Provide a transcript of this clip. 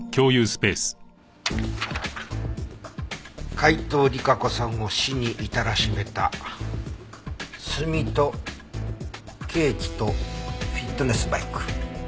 海東莉華子さんを死に至らしめた炭とケーキとフィットネスバイク。